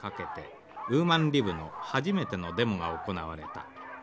「ウーマンリブの初めてのデモが行われた。